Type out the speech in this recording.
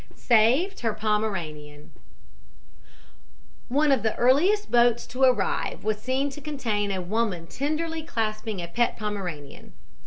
SAVED HER POMERANIAN "One of the earliest boats to arrive was seen to contain a woman tenderly clasping a pet Pomeranian.